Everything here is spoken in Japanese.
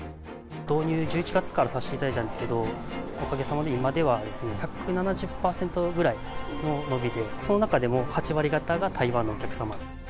導入、１１月からさせていただいたんですけど、おかげさまで今では１７０％ぐらいの伸びで、その中でも８割方が台湾のお客様。